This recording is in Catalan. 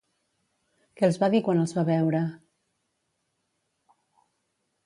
Què els va dir quan els va veure?